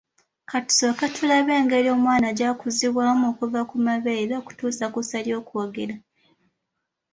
Ka tusooke tulabe engeri omwana gy’akuzibwamu okuva ku mabeere okutuusa ku ssa ly’okwogera.